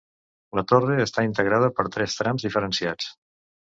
La torre està integrada per tres trams diferenciats.